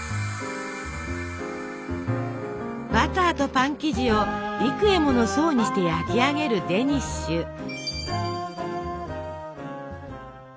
バターとパン生地を幾重もの層にして焼き上げるデニッシュ。